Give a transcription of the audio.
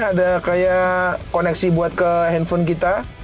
ada kayak koneksi buat ke handphone kita